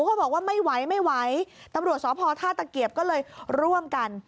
พวกเขาบอกว่าไม่ไหวตำรวจสธาตเกียบก็เลยร่วมกัน